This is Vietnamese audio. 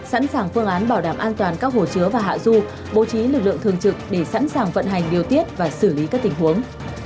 sẵn sàng phương án bảo đảm an toàn các hồ chứa và hạ du bố trí lực lượng thường trực để sẵn sàng vận hành điều tiết và xử lý các tình huống